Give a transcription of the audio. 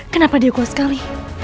kenapa dia kuat sekali